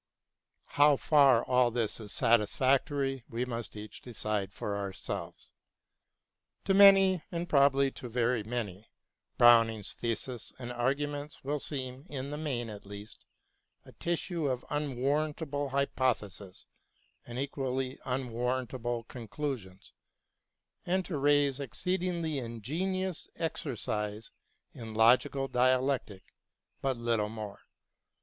How far all this is satisfactory we must each decide for ourselves. To many, and probably to very many, Browning's thesis and arguments will seem, in the inain at least, a tissue of unwarrant able hypotheses and equally unwarrantable con clusions, and to raise exceedingly ingenious exer cise in logical dialectic but little more.